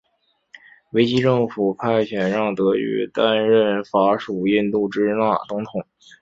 维希政府派遣让德句担任法属印度支那总督。